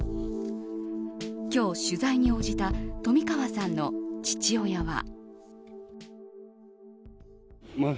今日、取材に応じた冨川さんの父親は。